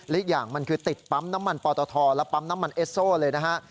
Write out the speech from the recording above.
อีกอย่างมันคือติดปั๊มน้ำมันปอตทและปั๊มน้ำมันเอสโซเลยนะฮะ